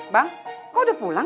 bang kau udah pulang